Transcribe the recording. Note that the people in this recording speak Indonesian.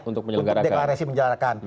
untuk deklarasi menjalankan